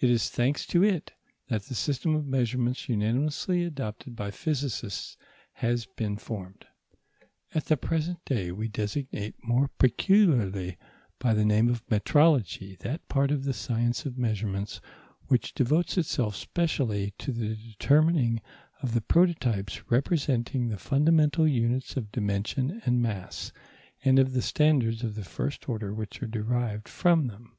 It is thanks to it that the system of measurements unanimously adopted by physicists has been formed. At the present day we designate more peculiarly by the name of metrology that part of the science of measurements which devotes itself specially to the determining of the prototypes representing the fundamental units of dimension and mass, and of the standards of the first order which are derived from them.